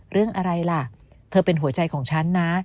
เรื่องอะไรล่ะเธอเป็นหัวใจของฉันนะ